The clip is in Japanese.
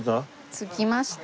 着きました。